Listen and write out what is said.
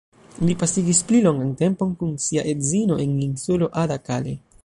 Li pasigis pli longan tempon kun sia edzino en insulo Ada-Kaleh.